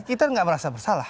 kita nggak merasa bersalah